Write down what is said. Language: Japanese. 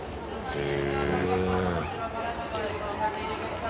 へえ。